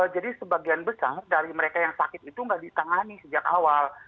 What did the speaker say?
jadi sebagian besar dari mereka yang sakit itu nggak ditangani sejak awal